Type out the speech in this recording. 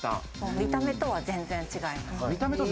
見た目とは全然違います。